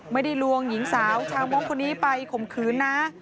ไม่ได้ลวงหญิงสาวชาวมองคนนี้ไปขมคืนนะ